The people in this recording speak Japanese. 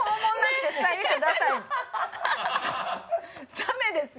ダメですよ。